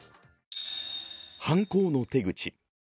犯行の手口。